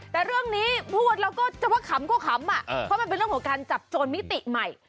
แต่เรื่องนี้พูดแล้วก็จะว่าขำก็ขำเพราะมันเป็นเรื่องของการจับโจรมิติใหม่